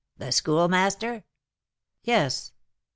"The Schoolmaster?" "Yes."